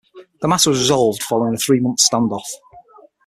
The matter was resolved following a three-month standoff.